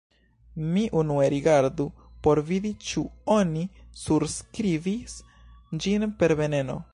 Mi unue rigardu por vidi ĉu oni surskribis ĝin per 'veneno.'